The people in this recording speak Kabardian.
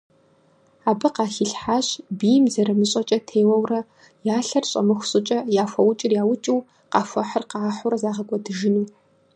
Абы къыхилъхьащ бийм зэрымыщӏэкӏэ теуэурэ, я лъэр щӏэмыху щӏыкӏэ яхуэукӏыр яукӏыу, къахуэхьыр къахьурэ загъэкӏуэдыжыну.